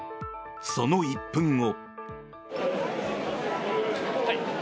その１分後。